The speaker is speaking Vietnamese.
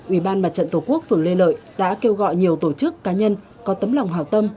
ủy ban mặt trận tổ quốc phường lê lợi đã kêu gọi nhiều tổ chức cá nhân có tấm lòng hào tâm